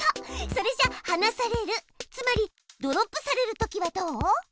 それじゃはなされるつまりドロップされるときはどう？